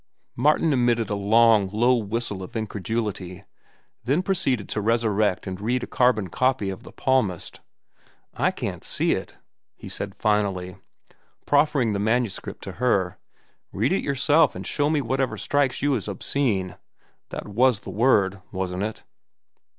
Martin emitted a long, low whistle of incredulity, then proceeded to resurrect and read a carbon copy of "The Palmist." "I can't see it," he said finally, proffering the manuscript to her. "Read it yourself and show me whatever strikes you as obscene—that was the word, wasn't it?"